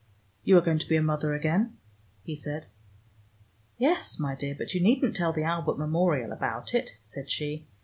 "You are going to be a mother again?" he said. "Yes, my dear, but you needn't tell the Albert Memorial about it," said she.